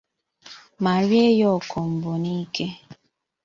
ma rie ya ọkọmbọ n'iké.